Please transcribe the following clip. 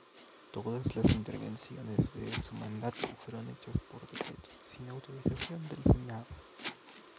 Todas las intervenciones de su mandato fueron hechas por decreto, sin autorización del Senado.